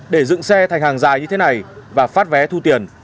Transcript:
để dựng xe thành hàng dài như thế này và phát vé thu tiền